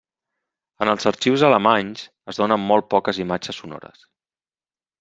En els arxius alemanys es donen molt poques imatges sonores.